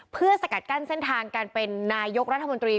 เพื่อสกัดกั้นเส้นทางการเป็นนายกรัฐมนตรี